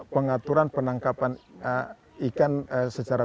pengaturan penangkapan ikan secara